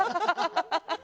ハハハハ！